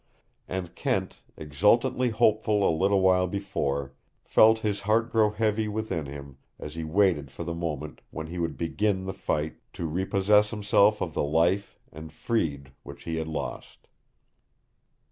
And Kent, exultantly hopeful a little while before, felt his heart grow heavy within him as he waited for the moment when he would begin the fight to repossess himself of the life and freed which he had lost.